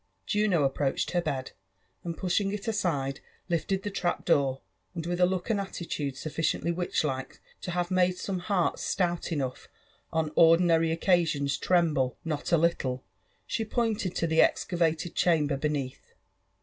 JuAO approached her bed* and pushing it aside, lifted the trap door, and with a look and attitude sufficienlly wilchlike to have made some hearts atout enough on ordinary occasions tremble not a little, she pointed to the excavated chamber beneath.